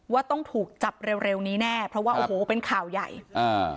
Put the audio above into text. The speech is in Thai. ว่าต้องถูกจับเร็วเร็วนี้แน่เพราะว่าโอ้โหเป็นข่าวใหญ่อ่า